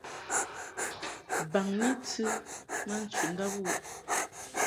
Baŋni tɨ ma nchundab wuʼ.